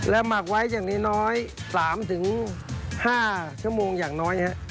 หมักไว้อย่างน้อย๓๕ชั่วโมงอย่างน้อย